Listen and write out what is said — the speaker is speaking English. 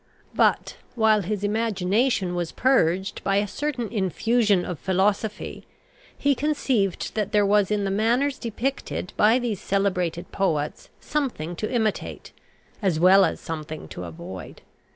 But, while his imagination was purged by a certain infusion of philosophy, he conceived that there was in the manners depicted by these celebrated poets something to imitate, as well as something to avoid.